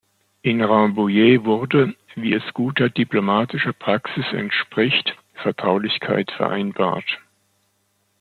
In Rambouillet wurde, wie es guter diplomatischer Praxis entspricht, Vertraulichkeit vereinbart.